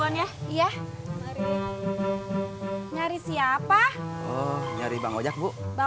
nanti happy bun quarter